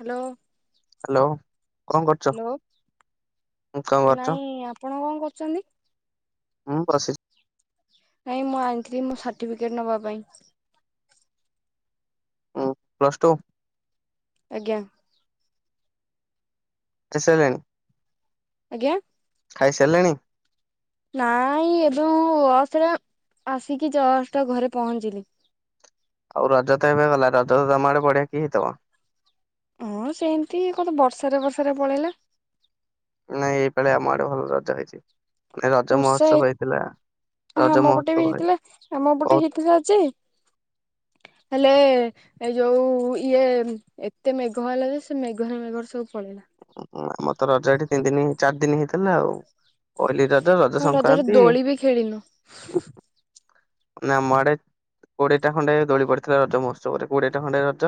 Hello. Hello କଣ କରୁଛ? Hello କଣ କରୁଛ? ନାଇଁ ଆପଣ କଣ କ ଚନ୍ତି ହୁଁ ବସିଚି ନାଇଁ ମୁଁ ଆଣିଥିଲି ମୋ ସାର୍ଟିଫିକେଟ ନବା ପାଇଁ। ପ୍ଲସ୍ ଟୁ ଆଜ୍ଞା। ଆଣି ସାଇଲେଣି? ଆଜ୍ଞା? ଖାଇ ସାଲେଣି? ନାଇ ଏବେ ମୁଁ ବସରେ ଆସିକି ଜଷ୍ଟ ଘରେ ପହଞ୍ଚିଲି। ଆଉ ରଜ ତ ଏବେ ଗଲା ରଜ ତ ତମ ଆଡେ ବଢ଼ିଆ କି ହେଇଥିବ। ହଁ ସେମିତି କଣ ତ ବର୍ଷାରେ ବର୍ଷାରେ ପଳେଇଲା। ନାଇଁ ଏଇପାଳି ଆମ ଆଡେ ଭଲ ରଜ ହେଇଛି ଏ ରଜ ବର୍ଷା ହେ ମହୋତ୍ସବ ହେଇଥିଲା। ହଁ ରଜ ଆମ ପଟେ ମହୋତ୍ସବ ବି ହେଇ ହେଇଥିଲା ଆମ ପଟେ ବହୁତ ହେଇଥିଲା ଯେ। ହେଲେ। ଏ ଯୋଉ ଇଏ ଏତେ ମେଘ ହେଲା ଯେ ସେ ମେଘରେ ମେଘରେ ସବୁ ପଳେଇଲା। ଆମର ତ ରଜ ଏଠି ତିନି ଦିନ ଚାରି ଦିନ ହେଇଥିଲା ଆଉ ପହଲି ର ଯ ରଜ ହଁ ରଜରେ ସଂକ୍ରାନ୍ତି ଦୋଳି ବି ଖେଳିନୁ ନା ଆମ ଆଡେ। କୋଡିଏଟା ଖଣ୍ଡେ ଦୋଳି ପଡିଥିଲା ରଜ ମହୋତ୍ସବରେ କୋଡିଏଟା ଖଣ୍ଡେ ରଜ।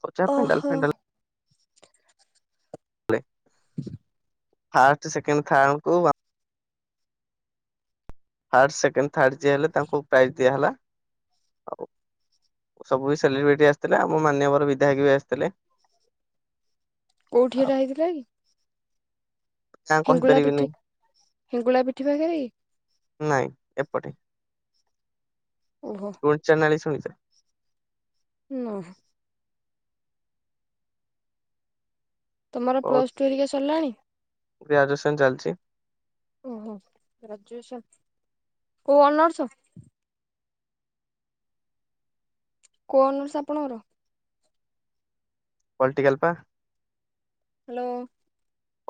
କହୁଚି ପା ପେଣ୍ଡାଲ ଓହୋ ଫେଣ୍ଡାଲ। ପଡ଼େ। ଫାର୍ଷ୍ଟ, ସେକେଣ୍ଡ, ଥାର୍ଡ ଙ୍କୁ ବା ଫାର୍ଷ୍ଟ, ସେକେଣ୍ଡ, ଥାର୍ଡ ଯିଏ ହେଲେ ତାଙ୍କୁ ପ୍ରାଇଜ ଦିଆ ହେଲା ଆଉ। ସବୁ ଏଇ ସେଲିବ୍ରେଟି ଆସିଥିଲା ଆମ ମାନ୍ୟବର ବିଧାୟକ ବି ଆସିଥିଲେ। କୋଉଠି ଏଟା ହେଇଥିଲା କି? ନା ହିଙ୍ଗୁଳା କହିପାରିବିନି ପିଠି ହିଙ୍ଗୁଳା ପିଠି ପାଖେରେ କି? ନାଇଁ ଏପଟେ ଓହୋ ଗୁଣ୍ଡିଚା ନାଳି ଶୁଣି ନା। ତମର ବହୁତ ପ୍ଲସ ଟୁ ହେରିକା ସରିଲାଣି? ଗ୍ରାଜୁଏସନ ଚାଲିଚି। ଓହୋ ଗ୍ରାଜୁଏସନ। କଉ ଅନର୍ଷ? କଉ ଅନର୍ଷ ଆପଣଙ୍କର? ପଲଟିିକାଲ୍ ପା। ହାଲୋ।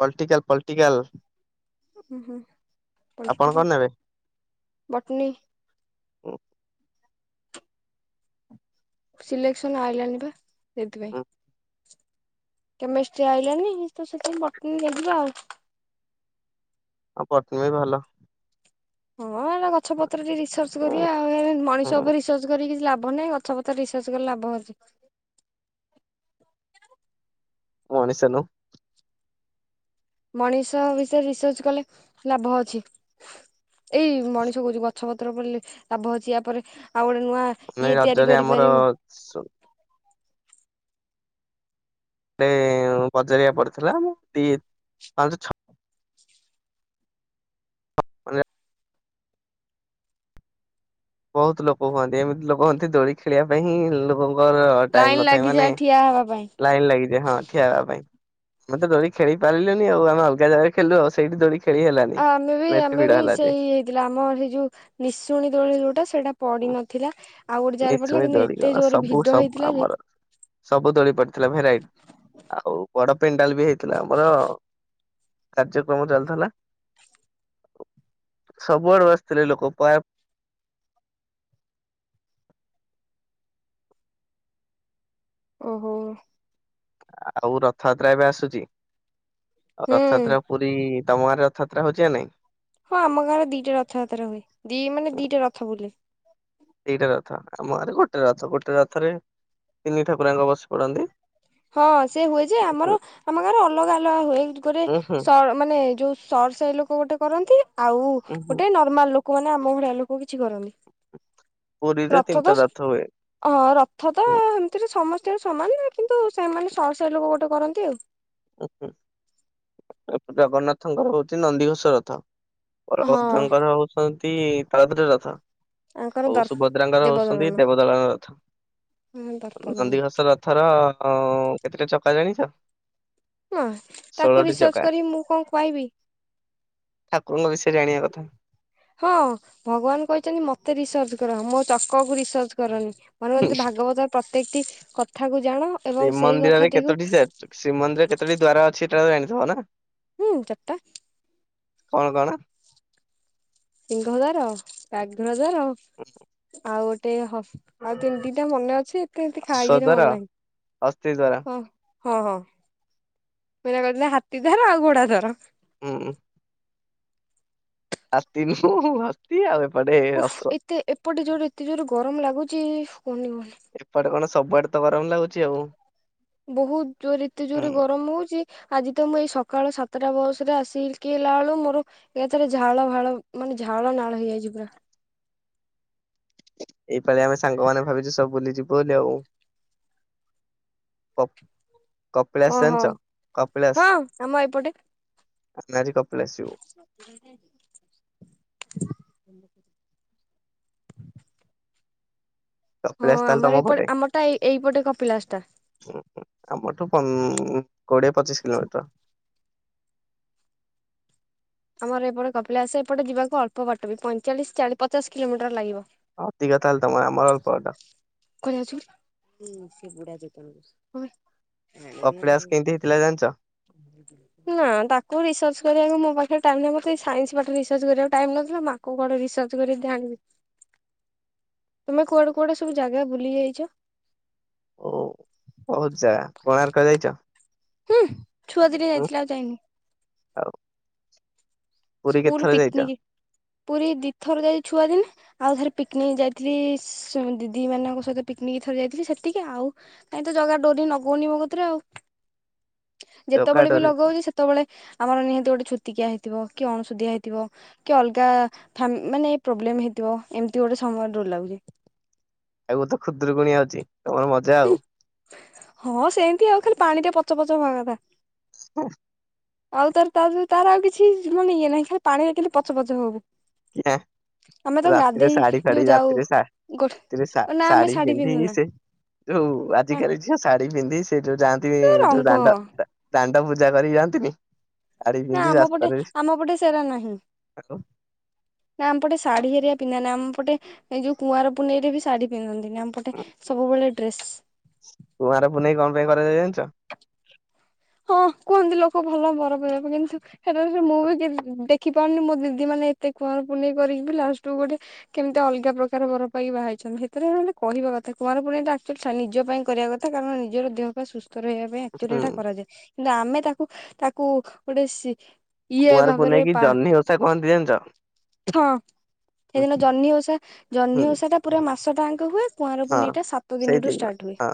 Political political. ଉଁ ହୁଁ ଆପଣ ପଲଟିକାଲ୍ କଣ ନେବେ? ବଟନି। ଉଁ। ସିଲେକ୍ସନ ଆଇଲାନି ପା ସେଥିପାଇଁ। ହୁଁ କେମିଷ୍ଟ୍ରି ଆଇଲାନି ତ ସେଥିପାଇଁ ବଟନି ନେଇଯିବା ଆଉ। ଆଉ ବଟନି ବି ଭଲ। ହଁ ଏରା ଗଛ ପତ୍ର ଟିକେ ରିସର୍ଚ୍ଚ ହୁଁ କରିବା ଆଉ ଏରା ମଣିଷ ହୁଁ ଉପରେ ରିସର୍ଚ୍ଚ କରିକି କିଛି ଲାଭ ଭ ନାହିଁ ଗଛ ପତ୍ର ରିସର୍ଚ୍ଚ କଲେ ଲାଭ ଅଛି। ମଣିଷ ନୁହ। ମଣିଷ ବିଷୟରେ ରିସର୍ଚ୍ଚ କଲେ ଲାଭ ଅଛି। ଏଇ ମଣିଷ କହୁଛି ଗଛ ପତ୍ର ପଢ଼ିଲେ ଲାଭ ଅଛି ୟାପରେ ଆଉ ଗୋଟେ ନୂଆ ମାନେ ଇଏ ତିଆରି ରଜରେ ଆମର କରିପାରିବୁ। ଗୋଟେ ବଜାରିଆ ପଡିଥିଲା ମ ଦି ପାଞ୍ଚ ଛ ମାନେ ବହୁତ ଲୋକ ହୁଅନ୍ତି ଏମିତି ଲୋକ ହୁଅନ୍ତି ଦୋଳି ଖେଳିବା ପାଇଁ ଲୋକଙ୍କ ମୋର ଟାଇମ ଲାଇନ ନଥାଏ ମାନେ ଲାଗିଯାଏ ଠିଆ ହେବା ପାଇଁ ଲାଇନ ଲାଗିଯାଏ ହଁ ଠିଆ ହେବା ପାଇଁ। ଆମେ ତ ଦୋଳି ଖେଳି ପାରିଲୁନି ଆଉ ଆମେ ଅଲଗା ଜାଗାରେ ଖେଳିଲୁ ଆଉ ସେଇଠି ଦୋଳି ଖେଳି ହେଲାନି। ଆ ଆମେ ବି ଏତେ ଆମେ ଭିଡ ବି ହେଲା ଯେ ସେଇ ହେଇଥିଲା ଆମର ହେଇ ଯୋଉ ନିଶୁଣୀ ଦୋଳି ଗୋ ଟେ ସେଟା ପଡି ନଥିଲା ଆଉ ଗୋଟେ ଜାଗାରେ ପଡିଥିଲା ନିଶୁଣି କିନ୍ତୁ ଦୋଳି ଏତେ କଣ ଜୋରରେ ସବୁ ଭିଡ ସବୁ ହେଇଥିଲା ଯେ। ଆମର ସବୁ ଦୋଳି ପଡିଥିଲା ଭେରାଇଟ ଆଉ ବଡ ପେଣ୍ଡାଲ ବି ହେଇଥିଲା ଆମର। କାର୍ଯ୍ୟକ୍ରମ ଚାଲିଥିଲା। ସବୁଆଡୁ ଆସିଥିଲେ ଲୋକ ପାୟ। ଓହୋ। ଆଉ ରଥଯାତ୍ରା ଏବେ ଆସୁଛି ଆଉ ହୁଁ ରଥଯାତ୍ରା ପୁରୀ। ତମ ଗାଁ ରେ ରଥଯାତ୍ରା ହଉଛି ନାଇଁ? ହଁ ଆମ ଗାଁରେ ଦିଟା ରଥଯାତ୍ରା ହୁଏ ଦି ମାନେ ଦିଟା ରଥ ବୁଲେ। ଦିଟା ରଥ ଆମ ଗାଁରେ ଗୋଟେ ରଥ ଗୋଟେ ରଥରେ ତିନି ଠାକୁରଆଙ୍କ ବସି ପଡନ୍ତି। ହଁ ସେ ହୁଏ ଯେ ଆମର ହୁଁ ଆମ ଗାଁରେ ଅଲଗା ଅଲଗା ହୁଏ। ଗୋଟେ ଉଁ ହୁଁ ମାନେ ଯୋଉ ସର ସାହି ଲୋକ ଗୋଟେ କରନ୍ତି ଆଉ ଉଁ ହୁଁ ଗୋଟେ ନର୍ମାଲ ଲୋକ। କୁହ ନା ଆମ ଭଳିଆ ଲୋକ କିଛି କରନ୍ତି। ପୁରୀରେ ରଥ ତିନିଟା ତ ହୁଏ। ହଁ ରଥ ତ ହୁଁ ଏମିତିରେ ସମସ୍ତ। ସେ ସମାନ ନା କିନ୍ତୁ ସେମାନେ ସର ସାଇ ଲୋକ ଗୋଟେ କରନ୍ତି ଆଉ। ଜଗନ୍ନାଥଙ୍କର ହଉଛି ନନ୍ଦିଘୋଷ ରଥ। ହଁ ବଳଭଦ୍ର ଙ୍କର ହଉଚନ୍ତି ତାଳଧ୍ଵଜ ରଥ। ଆଙ୍କର ଆଉ ଦର୍ ସୁଭଦ୍ରାଙ୍କର ଦେବଦଳନ। ହଉଛନ୍ତି ଦେବଦଳନ ରଥ। ହଁ ଦର୍ପଦଳନ ନନ୍ଦିଘୋଷ ରଥର କେତେଟା ଚକା ଜାଣିଛ? ହଁ ତାକୁ ଷୋଳଟି ରିସର୍ଚ୍ଚ ଚକା କରି ମୁଁ କଣ କହିବି। ଠାକୁରଙ୍କ ବିଷୟରେ ଜାଣିବା କଥା। ହଁ ଭଗବାନ କହିଛନ୍ତି ମତେ ରିସର୍ଚ୍ଚ ମୋ ଚକ କୁ ରିସର୍ଚ କରନି। ମୁଁ ହୁଁ ଭାଗବତର ପ୍ରତ୍ୟେକଟି କଥାକୁ ଜାଣ ଏବଂ ସେଇ କଥାଟିକୁ କେତେଟି ଦ୍ୱାର ଅଛି ସେଇଟା ତ ଜାଣିଥିବ ନା। ହୁଁ ଚାରି ଟା। କଣ କଣ? ସିଂହଦାର, ବ୍ୟାଘ୍ର ଦ୍ୱାର ଆଉ ଗୋଟେ ହ ଆଉ [unintelligible] ମନେ ଅଛି ଏତେ ଏମତି ଖାଇରେ ଅଶ୍ୱଦ୍ୱାର ମନ ନାହିଁ ଅସ୍ଥିଦ୍ୱାର ହଁ। ଓ ହୋ [unintelligible] ହାତୀ ଦ୍ୱାର ଆଉ ଘୋଡ଼ା ଦ୍ୱାର। ହୁଁ। ହାତୀ ନୁଁ ହସ୍ତୀ ଆଉ ଏପଟେ ଓ ହସ ଏତେ ଏପଟେ ଜୋର ଏତେ ଜୋର ଗରମ ଲାଗୁଛି କୁହନି କୁହନି। ଏପଟେ କଣ ସବୁଆଡେ ତ ଗରମ ଲାଗୁଛି ଆଉ। ବହୁତ୍ ଜୋରେ ଏତେ ହୁଁ ଜୋରରେ ଗରମ ହଉଛି। ଆଜି ତ ମୁଁ ଏଇ ସକାଳ ସାତଟା ବସ୍ ରେ ଆସିକି ହେଲା ବେଳୁ ମୋର ଏକାଥରେ ଝାଳ ଫାଳ ଝାଳ ନାଳ ହେଇଯାଇଛି ପୁରା। ଏଇ ପାଳି ଆମେ ସାଙ୍ଗମାନେ ଭାବିଛୁ ସବୁ ବୁଲି ଯିବୁ ବୋଲି ଆଉ। ହ। କପିଳାସ ଓହୋ ଜାଣିଛ କପିଳାସ। ହଁ ଆମ ଏପଟେ କପିଳାସ ଯିବୁ। [inaudible] [inaudible] ହଁ କପିଳାସ ତାହେଲେ ଆମର ତମ ଏପଟେ ପଟେ। ଆମରଟା ଏଇ ଏଇପଟେ କପିଳାସ ଟା ଆମଠୁ କୋଡ଼ିଏ ପଚିଶ କିଲୋମିଟର। ଆମର ଏପଟେ କପିଳାସ ଏପଟେ ଯିବାକୁ ଅଳ୍ପ ବାଟ ବି ପଇଁଚାଳିଶ ଚାଳିଶ ପଚାଶ କିଲୋମିଟର ଲାଗିବ। ଅଧିକ ତାହଲେ ତମର ଆମର [unintelligible] ସେ ବାଟ ବୁଢ଼ା [unintelligible] କପିଳାସ କେମିତି ହେଇଥିଲା ଜାଣିଛ? ନା ତାକୁ ରିସର୍ଚ୍ଚ କରିବାକୁ ମୋ ପାଖେ ଟାଇମ୍ ନାହିଁ ମତେ ସାଇନ୍ସ ପାଠରେ ରିସର୍ଚ୍ଚ କରିବା ଟାଇମ୍ ନଥିଲା ଆକୁ କୁଆଡ଼େ ରିସର୍ଚ କରି ଆଣିବି। ତୁମେ କୁଆଡ଼େ କୁଆଡ଼େ ସବୁ ଜାଗା ବୁଲି ଯାଇଚ? ଓ ବହୁତ୍ ଜାଗା କୋଣାର୍କ ଯାଇଚ? ହୁଁ ଛୁଆ ଦିନେ ଯାଇଥିଲି ଆଉ ଯାଇନି। ଆଉ ପୁରୀ ସ୍କୁଲ କେତେଥର ଯାଇଛ? ପିକନିକ୍ ପୁରୀ ଦିଥର ଯାଇଚି ଛୁଆ ଦିନେ। ଆଉ ଥରେ ପିକନିକ୍ ଯାଇଥିଲି ସ ଦିଦିମାନଙ୍କ ସହିତ ପିକନିକ ଥରେ ଯାଇଥିଲି ସେତିକି ଆଉ ଏଇ ତ ଜଗା ଡୋ଼ରି ନଗଉନି ମୋ କତିରେ ଆଉ। [inaudible] ଜଗା ଯେତେବେଳେ ବି ଡୋରି ଲଗଉଚି ସେତେବେଳେ ଆମର ନିହାତି ଗୋଟେ ଛୁତିକିଆ ହେଇଥିବ। କି ଅଣସୁଦିଆ ହେଇଥିବ କି ଅଲଗା ମାନେ ଫା ପ୍ରୋବ୍ଲେମ୍ ହେଇଥିବ ଏମତି ଗୋଟେ ସମୟ ରେ ଡୋ଼ରି ଲାଗୁଚି। ଆଗକୁ ତ ଖୁଦୁରୁକୁୁଣି ଅଛି ତମର ମଜା ଆଉ। ହଁ ସେଏନ୍ତି ଆଉ ଖାଲି ପାଣିରେ ପଚ ପଚ ହବା କଥା। [unintelligible] ହ ଆଉ ତାର ତାର ତାର ଯ ଆଉ କିଛି ମାନେ ଇଏ ନାହିଁ ଖାଲି ପାଣିରେ ଖାଲି ପଚ ପଚ ହବୁ। କିରା [unintelligible] ଆମେ ତ ରାତିରେ ଗାଧେଇ ଶାଢ଼ୀ ଯୋଉ ଫାଢୀ ଯାଉ ରାତିରେ ଶା ଗୋ ରାତିରେ ଶା ନା ଆମେ ଶାଢ଼ୀ ଶାଢୀ ପିନ୍ଧିକି ପିନ୍ଧୁନା ସେ ଯୋଉ ଆଜିକାଲି ଝିଅ ଶାଢୀ ପିନ୍ଧି ସେଇ ଯୋଉ ଯାଆନ୍ତି ଯୋଉ ଦାଣ୍ଡ ରଙ୍ଗ ଦା ପୂଜା କରି ଯାଆନ୍ତିନି। ଶାଢ଼ୀ ନା ପିନ୍ଧି ଆମ ପଟେ ରାସ୍ତାରେ ଆମ ପଟେ ସେରା ନାହିଁ ନା ଆମ ପଟେ ଶାଢୀ ହେରିକା ପିନ୍ଧନ୍ତିନି। ଆମ ପଟେ ଏଇ ଯୋଉ କୁଆଁର ପୁନେଇରେ ବି ଶାଢୀ ପିନ୍ଧନ୍ତିିନି ଆମ ପଟେ ସବୁବେଳେ ଡ୍ରେସ୍। କୁଆଁର ପୁନେଇ କଣ ପାଇଁ କରାଯାଏ ଜାଣିଚ? ହଁ କୁହନ୍ତି ଲୋକ ଭଲ ବର ପାଇବା ପାଇଁ କିନ୍ତୁ [unintelligible] ମୁଁ ବି ଦେଖ୍ ଦେଖିପାରୁନି ମୋ ଦିଦି ମାନେ ଏତେ କୁଆଁର ପୁନେଇ କରିକି ବି ଲାଷ୍ଟକୁ ଗୋଟେ କେମତି ଅଲଗା ପ୍ରକାର ବର ପାଇକି ବାହା ହେଇ ଚନ୍ତି ସେଥିରେ ହେଲେ କହିବା କଥା। କୁଆଁର ପୁନେଇଟା ଆକ୍ଚୁଆଲି ନିଜ ପାଇଁ କରିବା କଥା କାରଣ ନିଜର ଦେହ ପା ସୁସ୍ ସ୍ଥ ରହିବା ପାଇଁ ଆକ୍ଚୁଆଲି ହୁଁ ଏଟା କରାଯାଏ। କିନ୍ତୁ ଆମେ ତାକୁ ତାକୁ ଗୋଟେ ସି ଇଏ କୁଆଁର ପୁନେଇ ଭାବରେ କି ପା ଜହ୍ନି ଓଷା କହନ୍ତି ଜାଣିଛ? ହଁ। ସେଇଦିନ ଜହ୍ନି ଓଷା ହୁଁ ଜହ୍ନି ଓଷାଟା ପୁରା ମାସଟାଙ୍କ ହୁଏ। କୁଆଁର ହଁ ପୁନେଇଟା ସାତ ଦିନରୁ ସେଇଦିନ ଷ୍ଟାର୍ଟ ହୁଏ। ହଁ।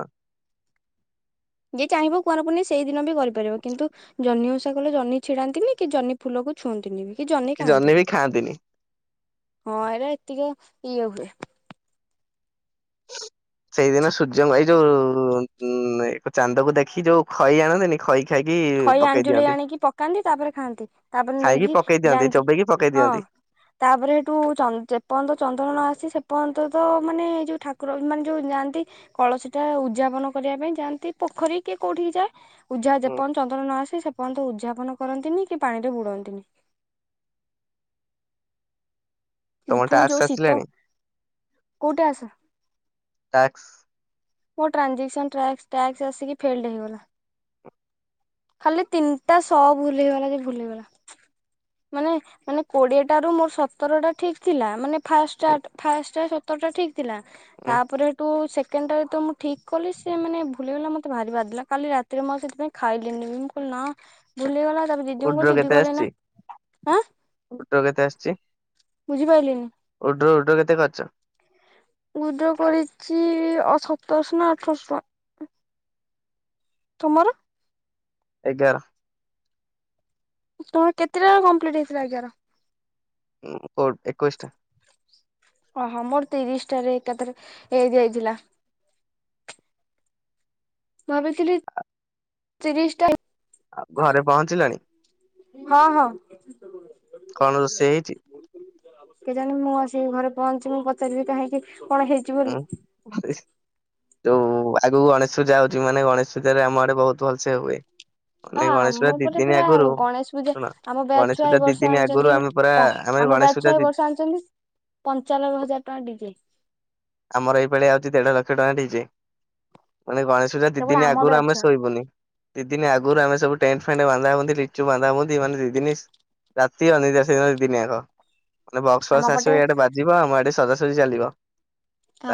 ଯିଏ ଚାହିଁବ କୁଆଁର ପୁନେଇ ସେଇ ଦିନ ବି କରିପାରିବ କିନ୍ତୁ ଜହ୍ନି ଓଷା କଲେ ଜହ୍ନି ଛିଡାନ୍ତିନି କି ଜହ୍ନି ଫୁଲକୁ ଛୁଅନ୍ତିନି ବି। କି ଜହ୍ନି ବି ଖାଆନ୍ତିନି। ହଁ ଏଇଟା ଏତିକ ଇଏ ହୁଏ। [unintelligible] ସେଇଦିନ ସୂର୍ଯ୍ୟଙ୍କୁ ଏଇ ଯୋଉ ଉମ୍ ଚାନ୍ଦକୁ ଦେଖି ଯୋଉ ଖଇ ଆଣନ୍ତିନି ଖଇ? ଖାଇକି ଖଇ ପକେଇ ଆଞ୍ଜୁଳି ଦିଅନ୍ତି ଆଣିକି ପକାନ୍ତି ତାପରେ ଖାଆନ୍ତି। ତାପରେ ଖାଇକି ନେଇକି ପକେଇ ଦିଅନ୍ତି ଯାଆନ୍ତି। ଚୋବେଇକି ପକେଇ ହଁ ଦିଅନ୍ତି। ତାପରେ ସେଠୁ ଚ ଯେପର୍ଯ୍ୟନ୍ତ ଚନ୍ଦ୍ର ନ ଆସିଚି ସେ ପ ପର୍ଯ୍ୟନ୍ତ ତ ମାନେ ଯୋଉ ଠାକୁର ମାନେ ଯୋଉ ଯାଆନ୍ତି, କଳସୀଟା ଉଦଯାପନ କରିବା ପାଇଁ ଯାଆନ୍ତି। ପ ପୋଖରୀ କିଏ କୋଉଠିକି ଯାଏ। [unintelligible] ଉଝା ହୁଁ ଯେପର୍ଯ୍ୟନ୍ତ ଚନ୍ଦନ ନ ଆସେ ସେ ପର୍ଯ୍ୟନ୍ତ ଉଦଯାପନ କରନ୍ତିନି କି ପାଣିରେ ବୁଡନ୍ତିନି। ତମ ଫୁଣି ଟାସ୍କ ଯୋଉ ଶୀତ। ଆସିଲାଣି କୋଉ ଟାସ [unintelligible] ଟାକ୍ସ? ମୋ ଟ୍ରାଞ୍ଜିସ୍କନ ଟ୍ରାସ୍କ ଟାକ୍ସ ଆସିକି ଫେଲ୍ଡ ହେଇଗଲା। ଖାଲି ତିନିଟା ଶ ଭୁଲଗଲା ଯେ ଭୁଲ ହେଇଗଲା। ମାନେ ମାନେ କୋଡିଏଟାରୁ ମୋର ସତରଟା ଠିକ୍ ଥିଲା। ମାନେ, ହୁଁ ଫାଷ୍ଟଟାଟ [unintelligible] ଫାଷ୍ଟଟା ସତରଟା ଠିକ୍ ଥିଲା ହୁଁ ତାପରେ ସେଠୁ ସେକେଣ୍ଡଟାରେ ତ ମୁଁ ଠିକ୍ କଲି ସିଏ ମାନେ ଭୁଲ୍ ହେଇଗଲା, ମତେ ଭାରିି ବାଧିଲା। କାଲି ରାତିରେ ମୁଁ ଆଉ ସେଥିପାଇଁ ଖାଇଲିନି ବି ମୁଁ କହିଲି ନା ଭୁଲ୍ ହେଇଗଲା ତାପରେ ଦିଦିଙ୍କୁ କହିଲି ଉଡ୍ର ଦିଦି କେତେ କହିଲେ ଆସିଛି ନାଁ ଆଁ? ଉଡ୍ର କେତେ ଆସିଛି ବୁଝି ପାଇଲିନି। [unintelligible] କେତେ କରିଚ? ୱିଇଡ୍ରୋ କରିଚି ଆ ସତରଶ ନା ଅଠରଶ ଟଙ୍କା। ତୁମର? ଏଗାର। ତମର କେତେଟା କମ୍ପ୍ଲିଟ ହେଇଥିଲା ଏଗାର? ଉମ୍ କ ଏକୋଇଶ ଟା। ଓହୋ ମୋର ତ ତିରିଶଟାରେ ଏକାଥରେ ହେଇଯାଇଥିଲା। ଭାବିଥିଲି ତିରିଶ ଟା ଆଉ ଘରେ ପହଞ୍ଚିଲଣି? ହଁ ହଁ କଣ ରୋଷେଇ ହେଇଛି? କେ ଜାଣି ମୁଁ ଆସି ସି ଘରେ ପହଞ୍ଚି [unintelligible] ମୁଁ ପଚାରିବି କାହିଁକି କଣ ହେଇଛି ବୋଲି ଉଁ ଯୋଉ ଆଗକୁ ଗଣେଶ ପୂଜା ହଉଛି ମାନେ ଗଣେଶ ପୂଜାରେ ଆମ ଆଡେ ବହୁତ ଭଲସେ ହୁଏ। ଆ ମାନେ ଗଣେଶ ପୂଜା ଆମ ଦି ଉପରେ ଦିନି ପୁରା ଆଗରୁ ଗଣେଶ ପୂଜା ଶୁଣ ଆମ ବ୍ୟାଚ୍ ଗଣେଶ ଛୁଆ ପୂଜା ଏ ଦି ବର୍ଷ ଦିନି ଆଗରୁ ଆଣିଛନ୍ତି ଆମେ ପୁରା କଣ ଆମେ ଆମ ଗଣେଶ ପୂଜା ଛୁଆ ଦି ବର୍ଷା ଆଣିଛନ୍ତି ପଞ୍ଚାନବେ ହଜାର ଟଙ୍କା ଡିଜେ। ଆମର ଏଇଭଳିଆ ଆଉଛି ଦେଢ ଲକ୍ଷ ଟଙ୍କା ଦେଇଠଛି। ମାନେ ଗଣେଶ ପୂଜା ଦି କେବଳ ଦିନ ଆମ ଆଗରୁ ବ୍ୟାଚ୍ ଆମେ ଛୁଆ ଶୋଇବୁନି। ଦିଦିନ ଆଗରୁ ଆମେ ସବୁ ଟେଣ୍ଟ ଫେଣ୍ଟ ବାନ୍ଧା ହନ୍ତି ଲିଚୁ ବାନ୍ଧା ବୁନ୍ଧି ଦିନ। ରାତି ଅନିଦ୍ରା ଦିଦିନିଯାକ। ମାନେ ବକ୍ସ ଆମ ଫକ୍ସ ପଟେ ଆସିବ ଏଠେ ବାଜିବ ଆମ ଏଠେ ସଜାସଜି ଚାଲିବ।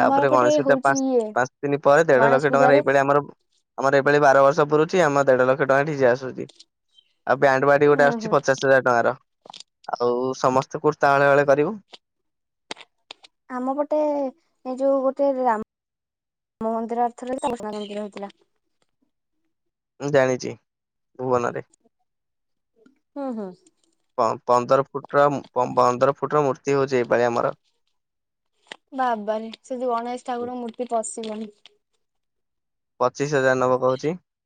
ଆମର ପଟେ ଗଣେଶ ପୂଜା ପା ହଉଛି ଇଏ ପାଞ୍ଚ ଦିନ ପରେ ଦେଢ ଗଣେଶ ଲକ୍ଷ ଟଙ୍କାରେ ପୂଜାରେ ଏଇଭଳିଆ ଆମର ଆମର। ବେଳେ ବାର ବର୍ଷ ପୁରୁଛି ଆମର ଦେଢ ଲକ୍ଷ ଟଙ୍କା ଡିଜେ ଆସୁଛି। ଆଉ ବ୍ୟାଣ୍ଡ ବଡି ଗୋଟେ ଉୁଁ ଆସୁଛି ହୁଁ ପଚାଶ ହଜାର ଟଙ୍କାର ଆଉ। ସମସ୍ତେ କୁର୍ତା ହଳେ ହଳେ କରିବୁ। ଆମ ପଟେ ଏଇ ଯୋଉ ଗୋଟେ। ମ ମନ୍ଦିର ଅର୍ଥରେ ତା ଘୋଷଣା ମନ୍ଦିର ହେଥିଲା। ମୁଁ ଜାଣିଛି ଭୁବନରେ। ହୁଁ ହୁଁ ପନ୍ଦର ଫୁଟ ପନ୍ଦର ଫୁଟ ମୁର। ହଉଛି ଏଇ ଭଳି ଆମର। ବାବାର ସେଠି ଗଣେଶ ଠାକୁରଙ୍କ ମୂର୍ତ୍ତି ପଶିଲନି। ପଚିଶ ହଜାର ନେ କହୁଛି।